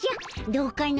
どうかの？